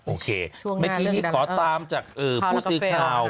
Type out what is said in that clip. โอเคเมื่อกี้นี้ขอตามจากผู้สื่อข่าว